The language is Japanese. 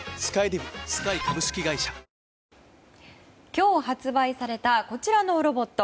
今日発売されたこちらのロボット。